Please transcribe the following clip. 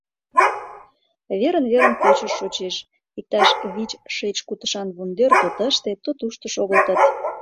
Верын-верын пӧчыж шочеш, иктаж вич шеч кутышан вондер то тыште, то тушто шогылтыт.